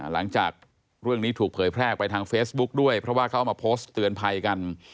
หลังจากเรื่องนี้ถูกเผยแพร่ไปทางเฟซบุ๊กด้วยเพราะว่าเขาเอามาโพสต์เตือนภัยกัน